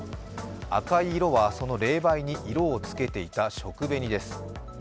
赤い色はその冷媒に色をつけていた食紅です。